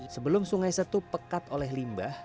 sebelum sungai setu pekat oleh limbah